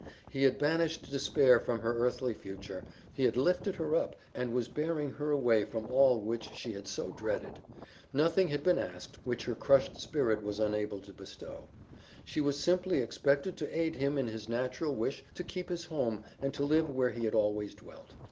He had banished despair from her earthly future, he had lifted her up and was bearing her away from all which she had so dreaded; nothing had been asked which her crushed spirit was unable to bestow; she was simply expected to aid him in his natural wish to keep his home and to live where he had always dwelt.